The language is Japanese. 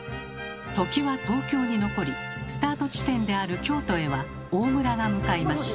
土岐は東京に残りスタート地点である京都へは大村が向かいました。